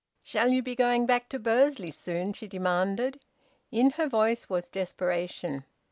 "Shall you be going back to Bursley soon?" she demanded. In her voice was desperation.